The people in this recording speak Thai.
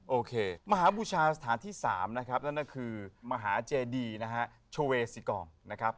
โอเคมหาบูชาสถานที่๓นะครับนั่นก็คือมหาเจดีนะฮะโชเวซิกองนะครับ